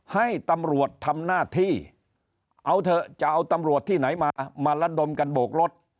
ให้ตำรวจทำหน้าที่เอาเถอะจะเอาตำรวจที่ไหนมามาระดมกันโบกรถ